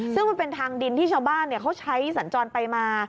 ซึ่งมันเป็นทางดินที่ชาวบ้านเขาใช้สัญจรไปมา